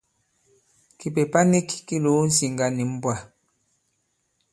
Kìpèpa nik ki lòo ǹsiŋgà nì mbwà.